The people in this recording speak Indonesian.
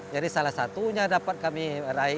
jadi salah satunya dapat kami